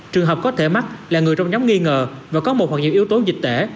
trường hợp có thể mắc là người trong nhóm nghi ngờ và có một hoặc những yếu tố dịch tễ